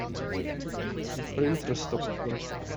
The printer stopped working.